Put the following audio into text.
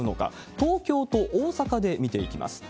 東京と大阪で見ていきます。